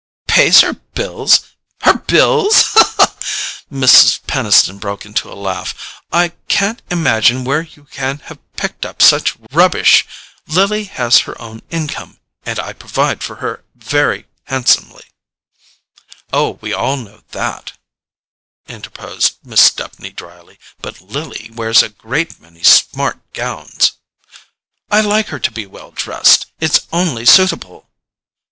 "Pays her bills—her bills?" Mrs. Peniston broke into a laugh. "I can't imagine where you can have picked up such rubbish. Lily has her own income—and I provide for her very handsomely—" "Oh, we all know that," interposed Miss Stepney drily. "But Lily wears a great many smart gowns—" "I like her to be well dressed—it's only suitable!"